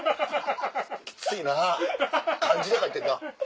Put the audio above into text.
きついな漢字で書いてんな。